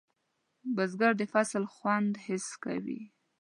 بزګر د فصل خوند حس کوي